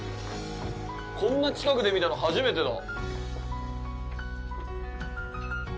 こんな近くで見たの初めてだ。